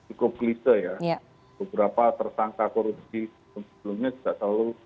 ikut gelisah ya beberapa tersangka korupsi sebelumnya tidak selalu